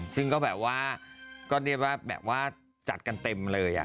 ซึ่งก็แบบว่าจัดกันเต็มเลย